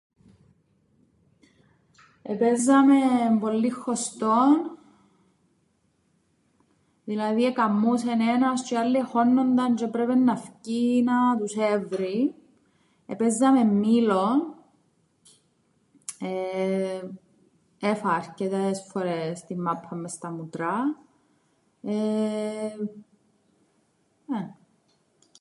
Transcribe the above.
Επαίζαμεν πολλύν χωστόν. Δηλαδή εκαμμούσεν ένας τζ̆αι οι άλλοι εχώννουνταν τζ̆αι έπρεπεν να φκει να τους έβρει. Επαίζαμεν μήλον, έφα αρκετές φορές την μάππαν μες στα μούτρα, εεε νναι.